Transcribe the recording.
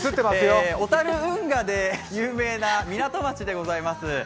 小樽運河で有名な港町でございます。